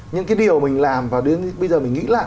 những cái điều mình làm và đến bây giờ mình nghĩ là